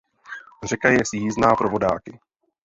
Řeka je sjízdná pro vodáky.